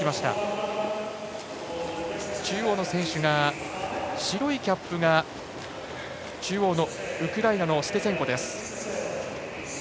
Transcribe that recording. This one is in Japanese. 中央の選手、白いキャップウクライナのステツェンコです。